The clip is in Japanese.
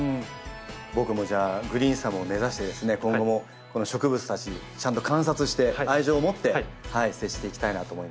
僕もじゃあグリーンサムを目指してですね今後もこの植物たちちゃんと観察して愛情を持って接していきたいなと思います。